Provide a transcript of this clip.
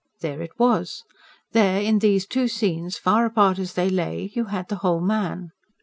There it was! There, in these two scenes, far apart as they lay, you had the whole man.